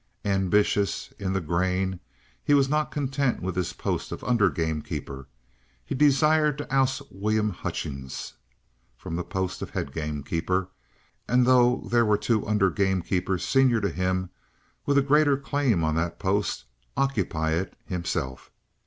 Ambitious in the grain, he was not content with his post of under gamekeeper; he desired to oust William Hutchings from the post of head gamekeeper, and though there were two under gamekeepers senior to him with a greater claim on that post, occupy it himself.